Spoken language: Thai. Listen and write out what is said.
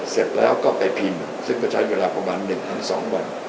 เสร็จแล้วก็ไปพิมพ์ซึ่งก็ใช้เวลาประมาณ๑๒วัน